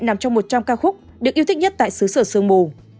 nằm trong một trăm linh ca khúc được yêu thích nhất tại xứ sở sương mù